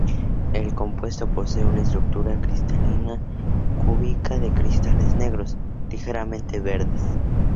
El compuesto posee una estructura cristalina cúbica de cristales negros, ligeramente verdes.